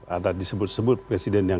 ada disebut sebut presiden yang